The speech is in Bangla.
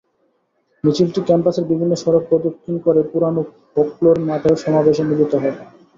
মিছিলটি ক্যাম্পাসের বিভিন্ন সড়ক প্রদক্ষিণ করে পুরোনো ফোকলোর মাঠে সমাবেশে মিলিত হয়।